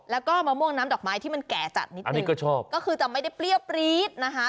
แล้วก็มะม่วงน้ำดอกม้ายที่มันแก่จัดนิดนึงก็จะไม่เปรี้ยวปรี๊ดนะฮะ